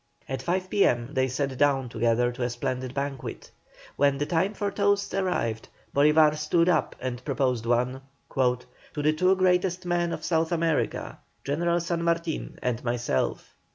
At five P.M. they sat down together to a splendid banquet. When the time for toasts arrived, Bolívar stood up and proposed one: "To the two greatest men of South America General San Martin and myself."